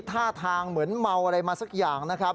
ท่าทางเหมือนเมาอะไรมาสักอย่างนะครับ